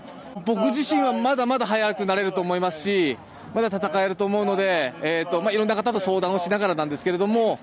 僕自身はまだまだ速くなれると思いますしまだ戦えると思うのでいろいろな方と相談をしながらなんですけど。